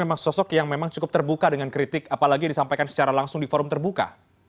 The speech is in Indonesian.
apakah anda melihat bahwa presiden memang sosok yang cukup terbuka dengan kritik apalagi disampaikan secara langsung di forum terbuka